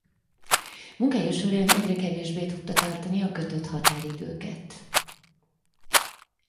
Munkája során egyre kevésbé tudta tartani a kötött határidőket.